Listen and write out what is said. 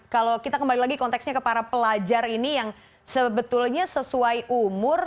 kalau kita kembali lagi konteksnya ke para pelajar ini yang sebetulnya sesuai umur